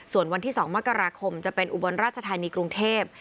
ส่วนวันที่๒มกราคมจะเป็นอุบลราชธานีกรุงเทพ